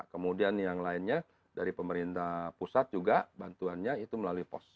kemudian yang lainnya dari pemerintah pusat juga bantuannya itu melalui pos